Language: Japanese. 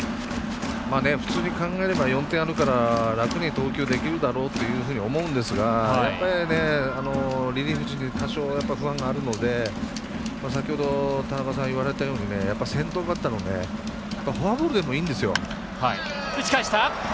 普通に考えれば４点あるから楽に投球ができるだろうと思うんですがやっぱりリリーフ陣、多少不安があるので田中さんが言われたように先頭バッターフォアボールでもいいんですよ。